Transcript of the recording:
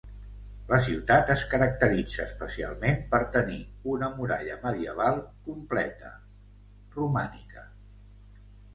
La ciutat es caracteritza especialment per tenir una muralla medieval completa, romànica.